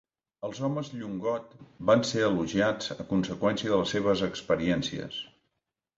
Els homes Ilongot van ser elogiats a conseqüència de les seves experiències.